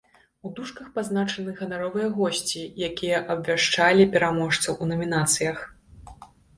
У дужках пазначаны ганаровыя госці, якія абвяшчалі пераможцаў у намінацыях.